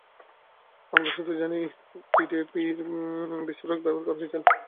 আমরা শুধু জানি যে টিএটিপি বিস্ফোরক ব্যবহার করা হয়েছিল।